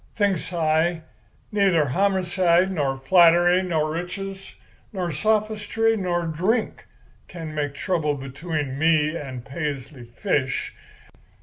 Thinks I, neither homocide nor flattery nor riches nor sophistry nor drink can make trouble between me and Paisley Fish.